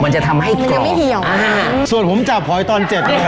มันจะทำให้กรอมันยังไม่เหี่ยวอ่าอืมส่วนผมจับหอยตอนเจ็ดนะครับ